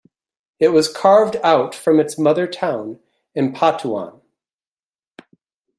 It was carved out from its mother town, Ampatuan.